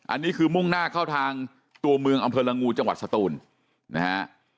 อันนี้คือมุ่งหน้าเข้าทางตัวเมืองอำเภอละงูจังหวัดสตูนนะฮะ